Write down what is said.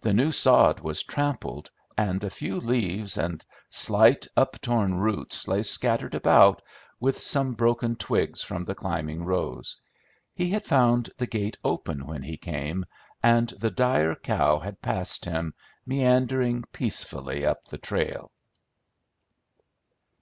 The new sod was trampled, and a few leaves and slight, uptorn roots lay scattered about, with some broken twigs from the climbing rose. He had found the gate open when he came, and the Dyer cow had passed him, meandering peacefully up the trail.